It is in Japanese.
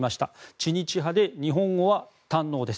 知日派で日本語は堪能です。